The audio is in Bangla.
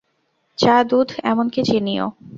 চা, দুধ, এমনকি চিনিও।